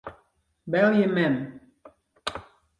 Belje mem.